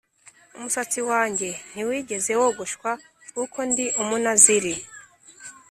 umusatsi wanjye ntiwigeze wogoshwa kuko ndi Umunaziri